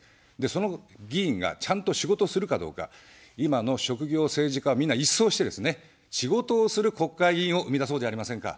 その議員が、ちゃんと仕事するかどうか、今の職業政治家は、みんな一掃してですね、仕事をする国会議員を生み出そうじゃありませんか。